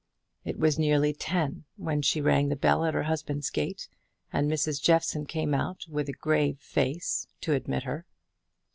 It was nearly ten when she rang the bell at her husband's gate, and Mrs. Jeffson came out with a grave face to admit her.